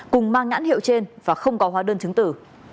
cùng mang nhãn hiệu trên và không có hóa đơn chứng tử